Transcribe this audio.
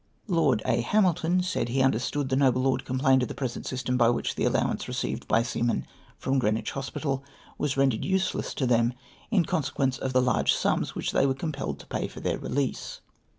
" Lord A. Hamilton said he understood the noble lord complained of the present system by which the allowance received by seamen from Greenwich Hospital was rendered useless to them, in consequence of the large sums which they were compelled to pay for their release.